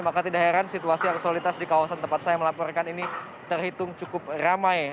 maka tidak heran situasi arus lalu lintas di kawasan tempat saya melaporkan ini terhitung cukup ramai